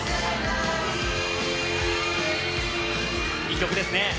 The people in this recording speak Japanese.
いい曲ですね。